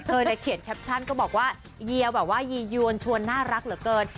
เขียนแคปชั่นก็บอกว่าเฮียแบบว่ายียวนชวนน่ารักเหลือเกิน